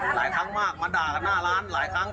หลายครั้งมากมาด่ากันหน้าร้านหลายครั้ง